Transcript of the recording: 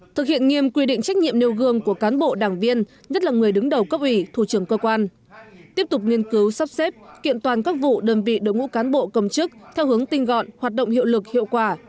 thực hiện nghiêm quy định trách nhiệm nêu gương của cán bộ đảng viên nhất là người đứng đầu cấp ủy thủ trưởng cơ quan tiếp tục nghiên cứu sắp xếp kiện toàn các vụ đơn vị đối ngũ cán bộ công chức theo hướng tinh gọn hoạt động hiệu lực hiệu quả